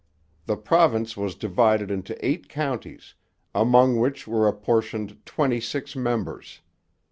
The province was divided into eight counties, among which were apportioned twenty six members.